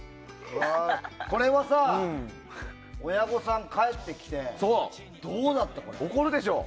これはさ、親御さん帰ってきて怒るでしょ？